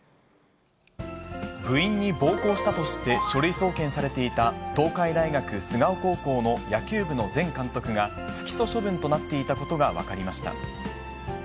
部員に暴行したとして書類送検されていた、東海大学菅生高校の野球部の前監督が、不起訴処分となっていたことが分かりました。